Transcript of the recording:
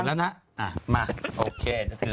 เปิดแล้วนะมาโอเค